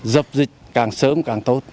dập dịch càng sớm càng tốt